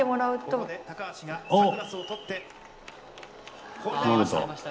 ここで高橋がサングラスを取って放り投げました。